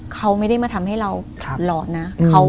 เขาไม่ได้มาทำให้เราหลอนนะ